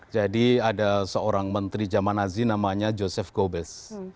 jadi ada seorang menteri zaman nazi namanya joseph goebbels